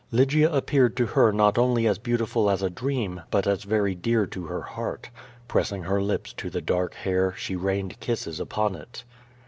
Lygia appeared to her not only as beautiful as a dream, but as very dear to her heart. Pressing her lips to the dark hair, she rained kisses upon it.